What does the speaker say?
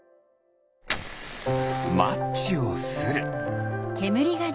マッチをする。